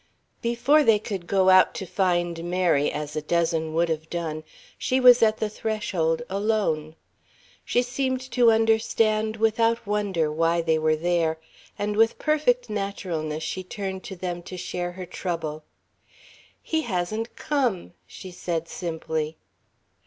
XIII Before they could go out to find Mary, as a dozen would have done, she was at the threshold, alone. She seemed to understand without wonder why they were there, and with perfect naturalness she turned to them to share her trouble. "He hasn't come," she said simply.